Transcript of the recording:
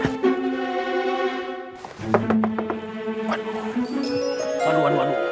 aduh aduh aduh aduh